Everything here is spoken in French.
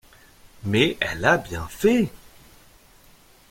Mais elle a bien fait.